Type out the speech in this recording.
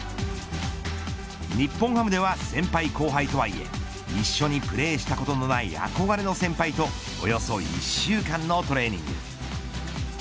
日本ハムでは先輩後輩とはいえ一緒にプレーしたことのない憧れの先輩とおよそ１週間のトレーニング。